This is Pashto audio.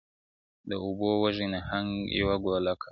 د اوبو وږي نهنگ یوه گوله کړ-